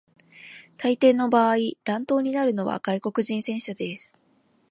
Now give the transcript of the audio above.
大抵の場合、乱闘になるのは外国人選手です。